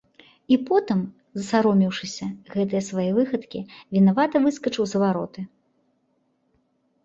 І потым, засаромеўшыся гэтае свае выхадкі, вінавата выскачыў за вароты.